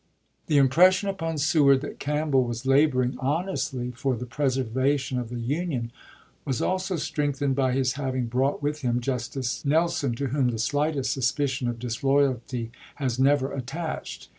The im pression upon Seward that Campbell was laboring honestly for the preservation of the Union was also strengthened by his having brought with him Jus tice Nelson, to whom the slightest suspicion of dis loyalty has never attached.